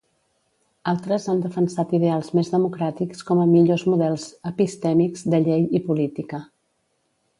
Altres han defensat ideals més democràtics com a millors models epistèmics de llei i política.